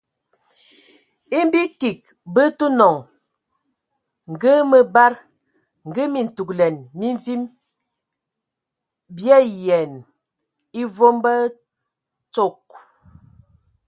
E bi kig bə tə nɔŋ ngə a məbad, ngə a mintugəlɛn, mi mvim bi ayiɛnə e vom bə atsog.